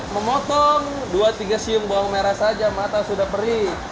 memotong dua tiga siung bawang merah saja mata sudah perih